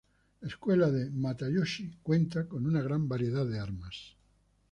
La escuela de Matayoshi cuenta con una gran variedad de armas.